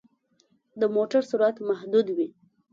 د موټر سرعت محدود وي.